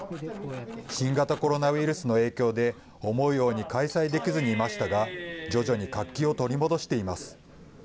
新型コロナウイルスの影響で、思うように開催できずにいましたが、徐々に活気を取り戻しています。